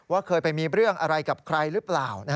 เคยไปมีเรื่องอะไรกับใครหรือเปล่า